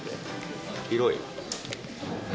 広い？